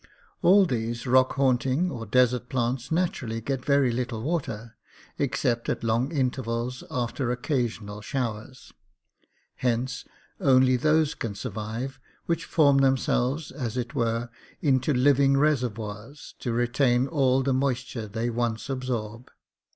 All these rock haunting or desert plants naturally get very little water, except at long intervals after oc casional showers. Hence only those can survive which form themselves, as it were, into living reservoirs to retain all the moisture they once absorb.